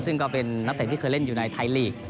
ซึ่งก็เป็นนักเตะที่เคยเล่นอยู่ในไทยลีก